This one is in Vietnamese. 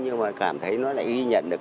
nhưng mà cảm thấy nó lại ghi nhận được